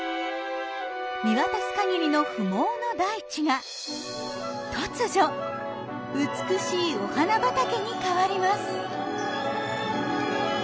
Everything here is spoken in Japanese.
見渡す限りの不毛の大地が突如美しいお花畑に変わります。